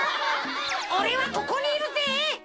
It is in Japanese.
おれはここにいるぜ！